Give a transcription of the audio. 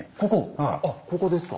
あっここですか？